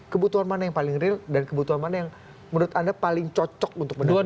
kebutuhan mana yang paling real dan kebutuhan mana yang menurut anda paling cocok untuk mendapatkan